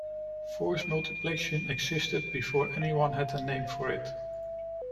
Force multiplication existed before anyone had a name for it.